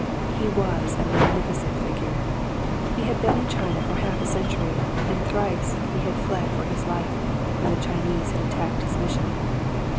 He was a magnificent figure. He had been in China for half a century and thrice he had fled for his life when the Chinese had attacked his mission.